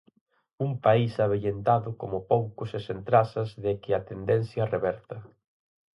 Un país avellentado como poucos e sen trazas de que a tendencia reverta.